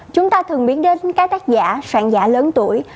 chúng ta thường biến đến các tác giả soạn giả lớn tuổi